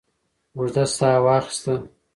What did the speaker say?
اوږده ساه واخسته.